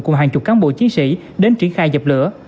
cùng hàng chục cán bộ chiến sĩ đến triển khai dập lửa